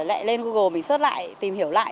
lại lên google mình xuất lại tìm hiểu lại